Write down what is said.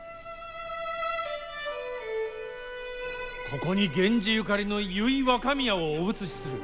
ここに源氏ゆかりの由比若宮をお移しする。